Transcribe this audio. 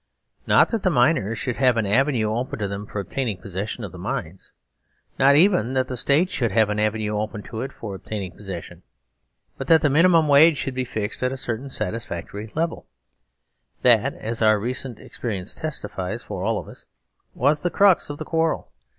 Not that the miners should have an avenue open to them for obtaining possession of the mines ; not even that the State should have an avenue open to it for obtaining such possession ; but that the minimum wage should be fixed at a certain satisfactory level \ That, as our re cent experience testifies for all of us, was the crux of thequarrel.